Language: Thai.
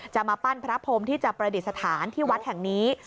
จะมาปั้นพระพรมที่จะประดิษฐานที่วัดแห่งนี้